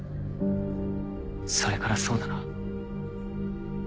それからそうだな。